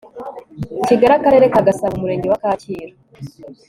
kigali akarere ka gasabo umurenge wa kacyiru